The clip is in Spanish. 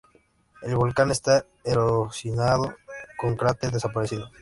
El volcán está erosionado, con cráter desaparecido.